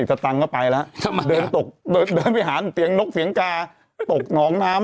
อู๋ตายแล้วนัน